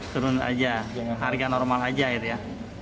turun aja harga normal aja gitu ya